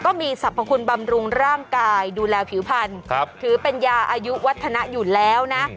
ก็มีสรรพคุณบำรุงร่างกายดูแลผิวพันธุ์ถือเป็นยาอายุวัฒนะอยู่แล้วนะ